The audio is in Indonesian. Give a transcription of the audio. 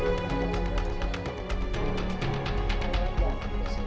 eh di depan